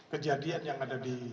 kejadian yang ada di